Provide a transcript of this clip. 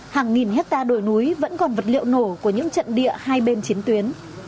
hàng nghìn hectare đồi núi vẫn còn vật liệu nổ của những trận địa hai bên chiến tuyến